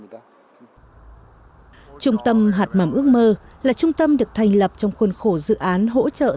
trung tâm hạt mầm ước mơ là trung tâm được thành lập trong khuôn khổ dự án hỗ trợ thanh niên khuyết tật